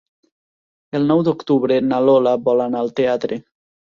El nou d'octubre na Lola vol anar al teatre.